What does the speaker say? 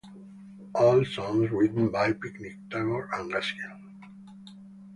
All songs written by Pinnick, Tabor and Gaskill.